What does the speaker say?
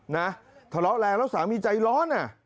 ทะเลาะแรงแล้วสามีใจร้อน